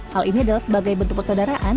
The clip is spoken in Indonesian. hal ini adalah sebagai bentuk persaudaraan